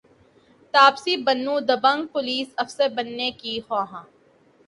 تاپسی پنو دبنگ پولیس افسر بننے کی خواہاں